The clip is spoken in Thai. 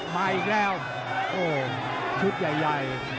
มาอีกแล้วโอ้ชุดใหญ่